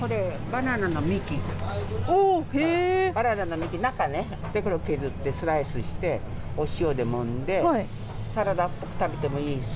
バナナの幹、中ね、これを削ってスライスして、お塩でもんで、サラダっぽく食べてもいいし。